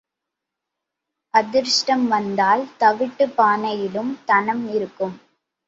அதிர்ஷ்டம் வந்தால் தவிட்டுப் பானையிலும் தனம் இருக்கும்.